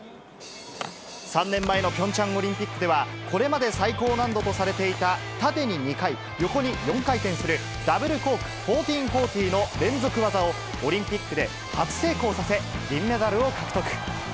３年前のピョンチャンオリンピックでは、これまで最高難度とされていた縦に２回、横に４回転する、ダブルコーク１４４０の連続技を、オリンピックで初成功させ、銀メダルを獲得。